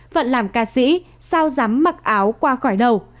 vận làm ca sĩ sao dám mặc áo qua khỏi đầu